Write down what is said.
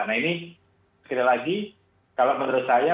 nah ini sekali lagi kalau menurut saya